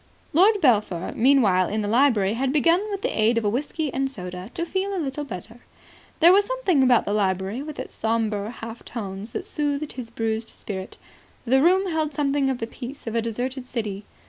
Lord Belpher, meanwhile, in the library, had begun with the aid of a whisky and soda to feel a little better. There was something about the library with its sombre half tones that soothed his bruised spirit. The room held something of the peace of a deserted city.